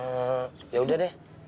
eh ya udah deh